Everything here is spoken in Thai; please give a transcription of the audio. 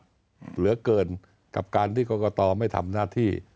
เหลือเกินกับการที่กรกตไม่ทำหน้าที่